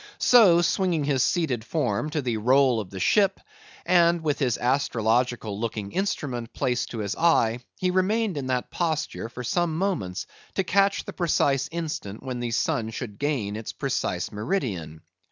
So, swinging his seated form to the roll of the ship, and with his astrological looking instrument placed to his eye, he remained in that posture for some moments to catch the precise instant when the sun should gain its precise meridian.